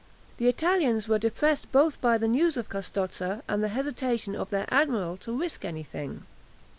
The Italians were depressed both by the news of Custozza and the hesitation of their admiral to risk anything.